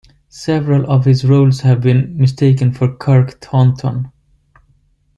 Several of his roles have been mistaken for Kirk Thornton.